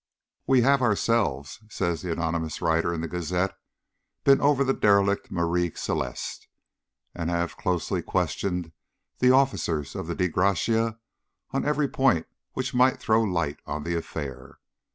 "We have ourselves," says the anonymous writer in the Gazette, "been over the derelict Marie Celeste, and have closelY questioned the officers of the Dei Gratia on every point which might throw light on the affair.